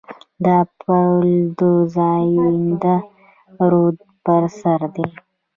دا پل د زاینده رود پر سر دی.